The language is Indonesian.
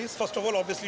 dan negara lainnya